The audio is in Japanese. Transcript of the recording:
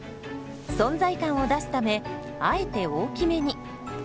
存在感を出すためあえて大きめに。